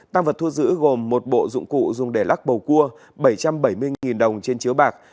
tăng vật thu giữ gồm một bộ dụng cụ dùng để lắc bầu cua bảy trăm bảy mươi đồng trên chiếu bạc